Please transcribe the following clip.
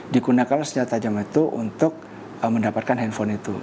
digunakan senjata tajam itu untuk mendapatkan handphone itu